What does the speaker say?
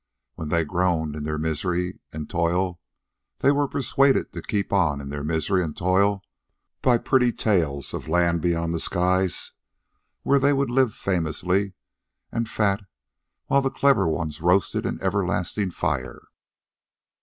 When they groaned in their misery and toil, they were persuaded to keep on in their misery and toil by pretty tales of a land beyond the skies where they would live famously and fat while the clever ones roasted in everlasting fire.